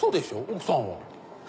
奥さんは？